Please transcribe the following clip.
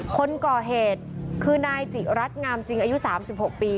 คนก่อเหตุคือนายจิรัตงามจริงอายุ๓๖ปี